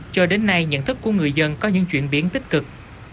cho đến nay nhận thức của người dân có những chuyển biến tích cực